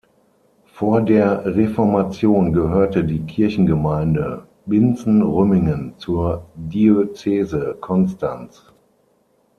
Vor der Reformation gehörte die Kirchengemeinde Binzen-Rümmingen zur Diözese Konstanz.